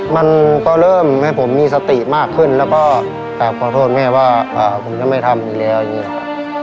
มันก็เริ่มให้ผมมีสติมากขึ้นแล้วก็กลับขอโทษแม่ว่าผมจะไม่ทำอีกแล้วอย่างนี้ครับ